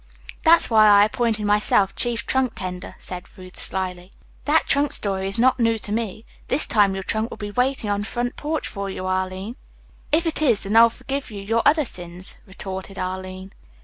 "That's why I appointed myself chief trunk tender," said Ruth slyly. "That trunk story is not new to me. This time your trunk will be waiting on the front porch for you, Arline." "If it is, then I'll forgive you your other sins," retorted Arline.